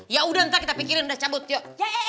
ya udah ntar kita pikirin udah cabut yuk